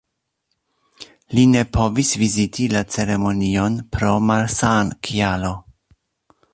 Li ne povis viziti la ceremonion pro malsan-kialo.